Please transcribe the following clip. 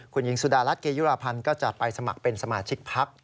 คุณหญิงสุดารัฐเกยุราพันธ์ก็จะไปสมัครเป็นสมาชิกพัก